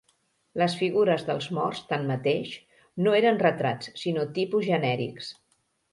Les figures dels morts, tanmateix, no eren retrats, sinó tipus genèrics.